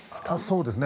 そうですね。